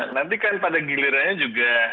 nanti kan pada gilirannya juga